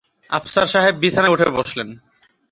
আফসার সাহেব বিছানায় উঠে বসলেন।